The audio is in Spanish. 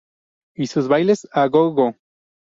Y sus bailes a Gogo.